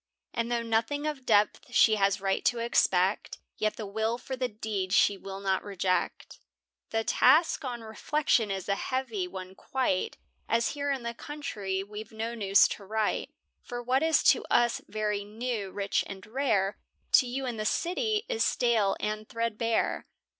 And though nothing of depth she has right to expect; Yet the will for the deed she will not reject The task, on reflection, is a heavy one quite, As here in the country we've no news to write; For what is to us very new, rich, and rare, To you in the city is stale and thread bare.